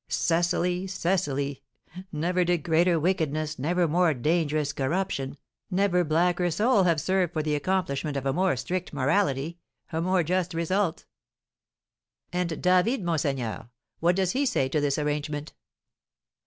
"Cecily! Cecily! Never did greater wickedness, never more dangerous corruption, never blacker soul have served for the accomplishment of a more strict morality, a more just result! And David, monseigneur, what does he say to this arrangement?"